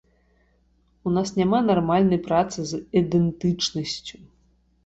У нас няма нармальнай працы з ідэнтычнасцю.